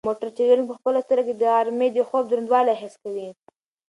موټر چلونکی په خپلو سترګو کې د غرمې د خوب دروندوالی حس کوي.